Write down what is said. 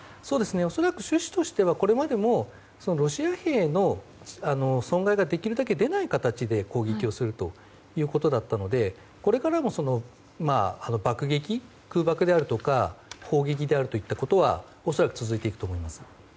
恐らく趣旨としてはこれまでもロシア兵の損害ができるだけ出ない形で攻撃するということだったのでこれからも爆撃、空爆であるとか砲撃であるといったことは恐らく続いていくと思います。